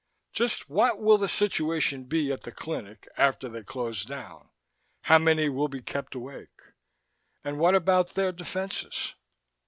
"Just what will the situation be at the clinic after they close down? How many will be kept awake? And what about their defenses?"